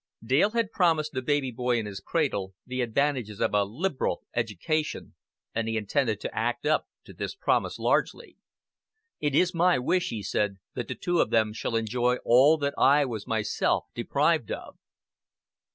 Dale had promised the baby boy in his cradle "the advantages of a lib'ral education," and he intended to act up to this promise largely. "It is my wish," he said, "that the two of them shall enjoy all that I was myself deprived of."